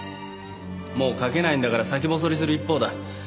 もう描けないんだから先細りする一方だ。